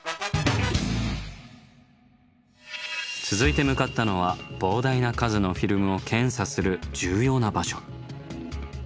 続いて向かったのは膨大な数のフィルムを検査する重要な場所。